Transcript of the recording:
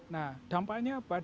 nah dampaknya apanya